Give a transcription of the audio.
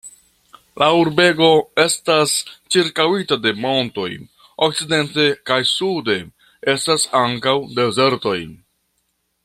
La urbego estas ĉirkaŭita de montoj, okcidente kaj sude estas ankaŭ dezertoj.